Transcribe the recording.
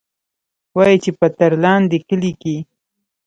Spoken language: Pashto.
وايي چې پۀ ترلاندۍ کلي کښې